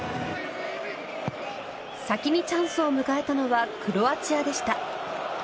先にチャンスを迎えたのはクロアチアでした。